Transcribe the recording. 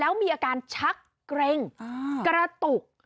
แล้วมีอาการชักเกร็งกระตุก